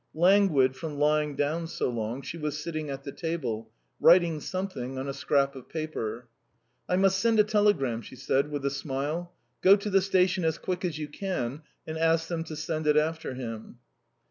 Languid from lying down so long, she was sitting at the table, writing something on a scrap of paper. "I must send a telegram," she said, with a smile. "Go to the station as quick as you can and ask them to send it after him."